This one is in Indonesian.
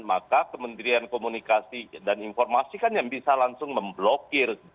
maka kementerian komunikasi dan informasi kan yang bisa langsung memblokir